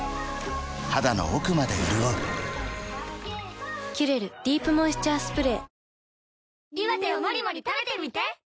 肌の奥まで潤う「キュレルディープモイスチャースプレー」